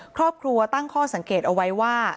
ครอบครัวตั้งข้อสังเกตเอาไว้ว่า